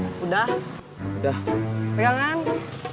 kita guardingin ini